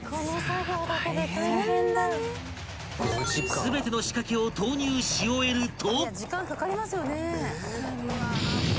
［全ての仕掛けを投入し終えると］